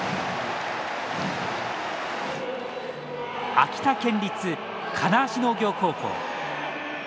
秋田県立金足農業高校。